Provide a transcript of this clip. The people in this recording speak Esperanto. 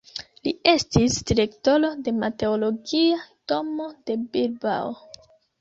Li estis direktoro de meteologia domo de Bilbao.